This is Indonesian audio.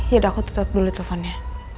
yaudah aku tetap dulu teleponnya